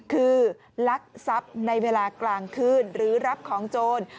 คือลักทรัพย์ในเวลากลางคืนหรือรับของโจร